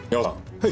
はい。